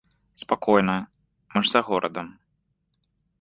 Спакойна, мы ж за горадам!